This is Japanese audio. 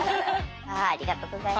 ありがとうございます。